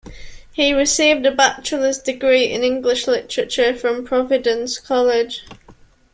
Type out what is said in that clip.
He received a bachelor's degree in English Literature from Providence College.